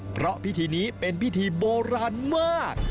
เพราะพิธีนี้เป็นพิธีโบราณมาก